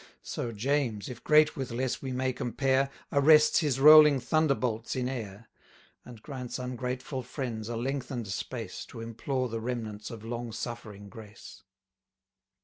So James, if great with less we may compare, Arrests his rolling thunderbolts in air! And grants ungrateful friends a lengthen'd space, To implore the remnants of long suffering grace.